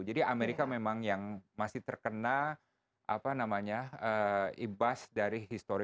jadi amerika memang yang masih terkena ibas dari histori